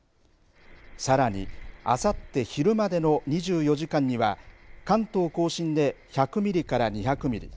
さらにあさって昼までの２４時間には関東甲信で１００ミリから２００ミリ